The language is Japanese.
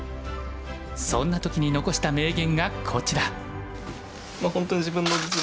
そんな時に残した名言がこちら。